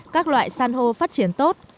các loại san hô phát triển tốt